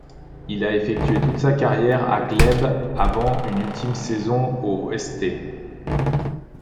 Il a effectué toute sa carrière à Glebe avant une ultime saison aux St.